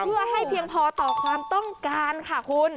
เพื่อให้เพียงพอต่อความต้องการค่ะคุณ